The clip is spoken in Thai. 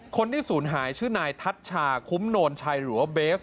คนที่ศูนย์หายชื่อนายทัชชาคุ้มโนนชัยหรือว่าเบส